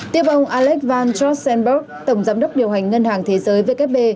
tiếp ông alex van ghebberg tổng giám đốc điều hành ngân hàng thế giới vkp